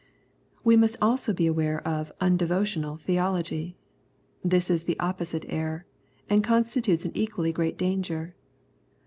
We must also beware of " undevotional theology." This is the opposite error, and constitutes an equally great danger.